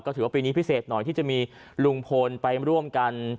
ถือว่าปีนี้พิเศษหน่อยที่จะมีลุงพลไปร่วมกัน